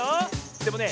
でもね